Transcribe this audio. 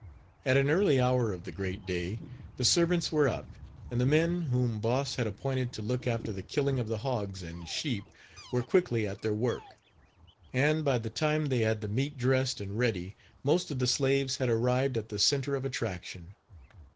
At an early hour of the great Page 48 day, the servants were up, and the men whom Boss had appointed to look after the killing of the hogs and sheep were quickly at their work, and, by the time they had the meat dressed and ready, most of the slaves had arrived at the center of attraction.